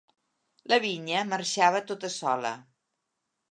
La vinya marxava tota sola.